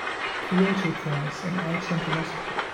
Kyoto Prize in Arts and Philosophy.